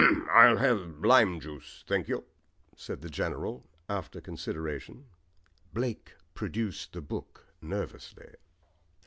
"I'll have lime juice, thank you," said the General after consideration. Blake produced the book nervously.